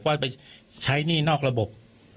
ว่าไปใช้หนี้นอกระบบ